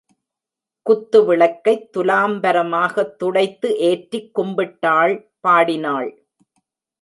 குத்துவிளக்கைத் துலாம்பரமாகத் துடைத்து ஏற்றிக் கும்பிட்டாள் பாடினாள்.